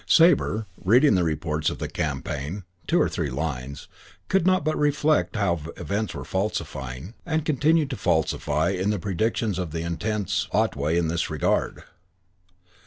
Sabre, reading the reports of the campaign two or three lines could not but reflect how events were falsifying, and continued to falsify the predictions of the intense Otway in this regard.